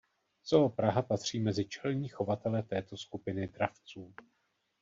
Zoo Praha patří mezi čelní chovatele této skupiny dravců.